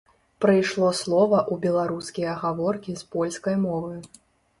Прыйшло слова ў беларускія гаворкі з польскай мовы.